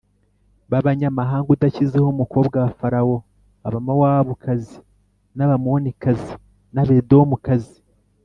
b’abanyamahanga udashyizeho umukobwa wa Farawo: Abamowabukazi n’Abamonikazi n’Abedomukazi